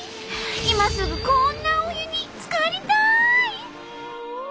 今すぐこんなお湯につかりたい！